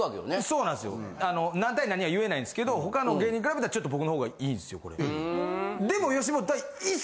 そうなんっすよ。何対何は言えないんですけど他の芸人に比べたらちょっと僕のほうがいいんっすよ。